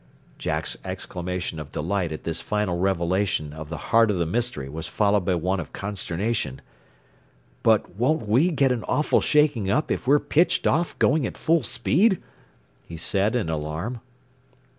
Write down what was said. Jack's exclamation of delight at this final revelation of the heart of the mystery was followed by one of consternation. "But won't we get an awful shaking up if we're pitched off, going at full speed?" he said in alarm.